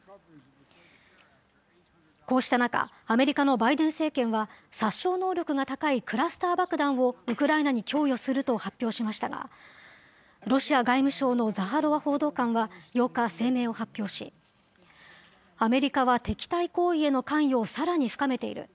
こうした中、アメリカのバイデン政権は、殺傷能力が高いクラスター爆弾をウクライナ供与すると発表しましたが、ロシア外務省のザハロワ報道官は８日、声明を発表し、アメリカは敵対行為への関与をさらに深めている。